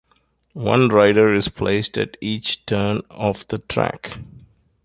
One rider is placed at each turn of the track.